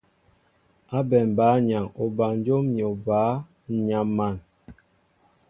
Ábɛm bǎyaŋ obanjóm ni obǎ, ǹ yam̀an !